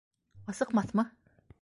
Асыҡмаҫмы?